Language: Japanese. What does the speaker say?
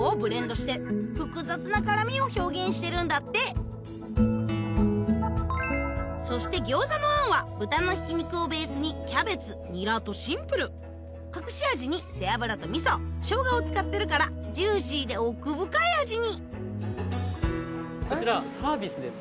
自家製のそして餃子の餡は豚のひき肉をベースにキャベツニラとシンプル隠し味に背脂と味噌生姜を使ってるからジューシーで奥深い味にこちら。